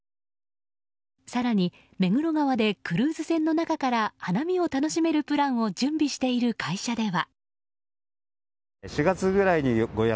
更に目黒川でクルーズ船の中から花見を楽しめるプランを準備している会社では。